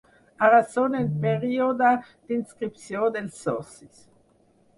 Ara són en període d’inscripció dels socis.